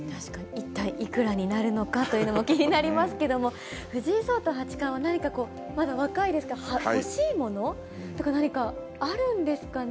一体いくらになるのかというのも気になりますけれども、藤井聡太八冠は、何かこう、まだ若いですから、欲しいものとか何かあるんですかね。